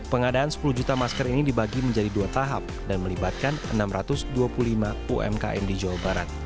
pengadaan sepuluh juta masker ini dibagi menjadi dua tahap dan melibatkan enam ratus dua puluh lima umkm di jawa barat